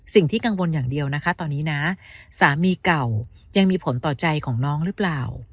สิ่งที่กังวลอย่างเดียวนะคะตอนนี้นะสามีเก่ายังมีผลต่อใจของน้องหรือเปล่า